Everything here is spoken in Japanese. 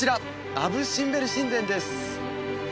アブ・シンベル神殿です